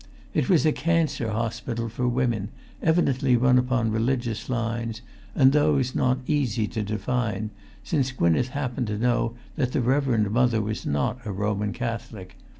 It was a cancer hospital for women, evidently run upon religious lines, and those not easy to define, since Gwynneth happened to know that the Reverend Mother was not a Roman Catholic.